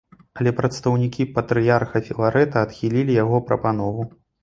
Але прадстаўнікі патрыярха філарэта адхілілі яго прапанову.